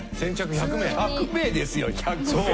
１００名ですよ１００名。